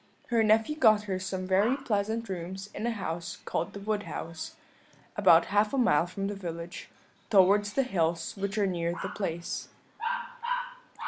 Her nephew got her some very pleasant rooms in a house called the Wood House, about half a mile from the village, towards the hills which are near the place.